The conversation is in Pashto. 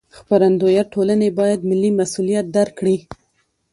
خپرندویه ټولنې باید ملي مسوولیت درک کړي.